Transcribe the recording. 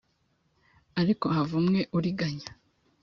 Ariko havumwe uriganya